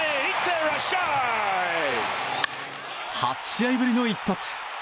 ８試合ぶりの一発！